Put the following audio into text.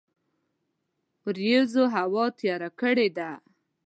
وریځوهوا تیار کړی ده